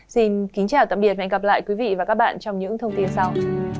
xin kính chào tạm biệt và hẹn gặp lại quý vị và các bạn trong những thông tin sau